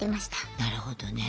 なるほどね。